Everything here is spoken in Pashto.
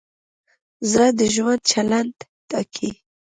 زړه د ژوند چلند ټاکي.